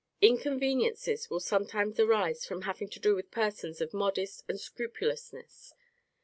Inconveniencies will sometimes arise from having to do with persons of modest and scrupulousness.